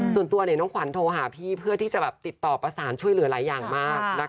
ส่วนตัวน้องขวัญโทรหาพี่เพื่อที่จะติดต่อประสานช่วยเหลือหลายอย่างมาก